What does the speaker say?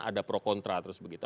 ada pro kontra terus begitu